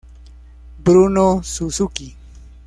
Bruno Suzuki